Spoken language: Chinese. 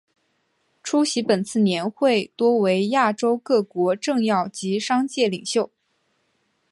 出席本次年会多为亚洲各国政要及商界领袖。